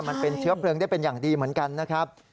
มันเป็นเชื้อเพลิงได้เป็นอย่างดีเหมือนกันนะครับ